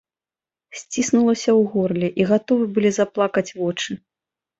Сціснулася ў горле, і гатовы былі заплакаць вочы.